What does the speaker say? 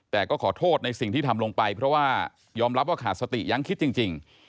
แต่ก็ขอโทษในสิ่งที่ทำลงไปเพราะว่ายอมรับว่าขาดสติยังคิดจริง